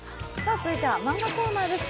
続いてはマンガコーナーです。